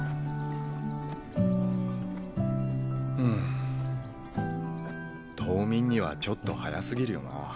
んん冬眠にはちょっと早すぎるよな。